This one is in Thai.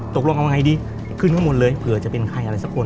ตกลงเอาไงดีขึ้นข้างบนเลยเผื่อจะเป็นใครอะไรสักคน